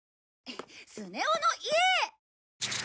スネ夫の家へ！